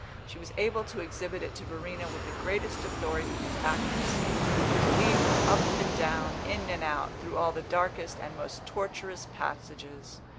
She was able to exhibit it to Verena with the greatest authority and accuracy, to lead her up and down, in and out, through all the darkest and most tortuous passages.